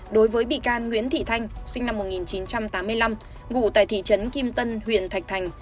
đối với bị can nguyễn thị thanh sinh năm một nghìn chín trăm tám mươi năm ngủ tại thị trấn kim tân huyện thạch thành